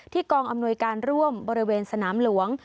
กองอำนวยการร่วมบริเวณสนามหลวง